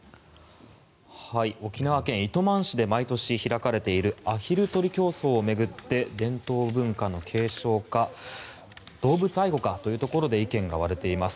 沖縄県糸満市で毎年開かれているアヒル取り競争を巡って伝統文化の継承か動物愛護かというところで意見が割れています。